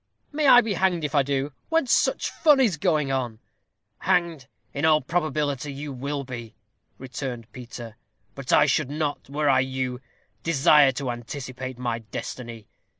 "May I be hanged if I do, when such fun is going on." "Hanged, in all probability, you will be," returned Peter; "but I should not, were I you, desire to anticipate my destiny.